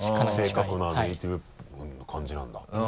正確なネーティブな感じなんだ。